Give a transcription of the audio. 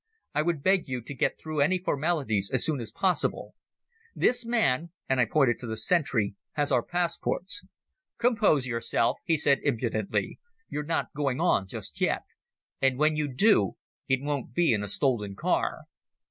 I would beg you to get through any formalities as soon as possible. This man," and I pointed to the sentry, "has our passports." "Compose yourself," he said impudently; "you're not going on just yet, and when you do it won't be in a stolen car."